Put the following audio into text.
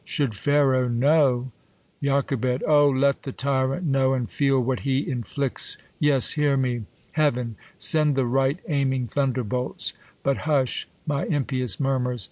Should Pharaoh knoAv ! Joch, O ! let the tyrant know, And feel what he inflicts ! Yes, hear me, Kcav'n !» Send the right aiming thunderbolts But hush, My impious murmurs